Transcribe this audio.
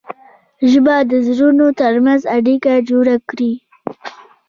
ژبه د زړونو ترمنځ اړیکه جوړه کړي